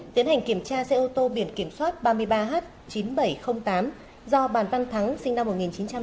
tiến hành kiểm tra xe ô tô biển kiểm soát ba mươi ba h chín nghìn bảy trăm linh tám do bàn văn thắng sinh năm một nghìn chín trăm tám mươi